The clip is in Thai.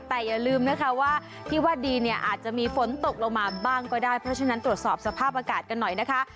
แต่อย่าลืมนะคะว่าที่วัดดีเนี่ยอาจจะมีฝนตกลงมาบ้างก็ได้เพราะฉะนั้นตรวจสอบสภาพอากาศกันหน่อยนะคะ